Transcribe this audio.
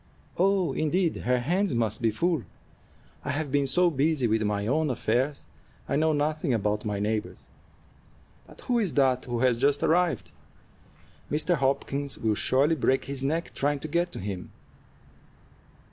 "Oh, indeed! Her hands must be full. I have been so busy with my own affairs, I know nothing about my neighbors'. But who is that who has just arrived? Mr. Hopkins will surely break his neck trying to get to him."